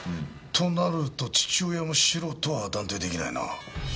となると父親もシロとは断定できないな。